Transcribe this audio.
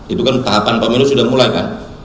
itu kan tahapan pemilu sudah mulai kan